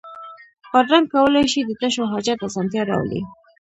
بادرنګ کولای شي د تشو حاجت اسانتیا راولي.